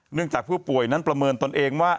จากผู้ป่วยนั้นประเมินตนเองว่า